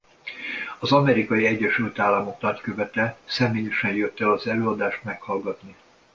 Az Amerikai Egyesült Államok nagykövete személyesen jött el az előadást meghallgatni.